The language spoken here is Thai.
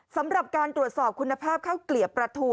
สำหรับการตรวจสอบคุณภาพข้าวเกลียบปลาทู